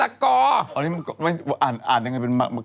อ่านยังไงเป็นมะกอก